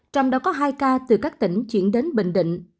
trong đó có hai ca từ các tỉnh chuyển đến bình định